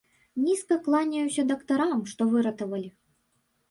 Нізка кланяюся дактарам, што выратавалі.